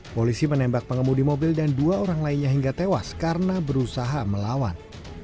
polisi menembak pengemudi mobil dan dua orang lainnya hingga tewas karena berusaha melawan